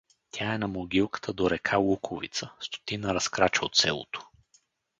Тя е на могилката до река Луковица, стотина разкрача от селото.